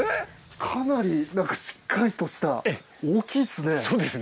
かなり何かしっかりとした大きいですね。